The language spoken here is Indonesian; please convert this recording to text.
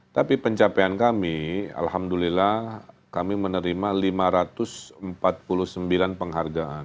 tapi pencapaian kami alhamdulillah kami menerima lima ratus empat puluh sembilan penghargaan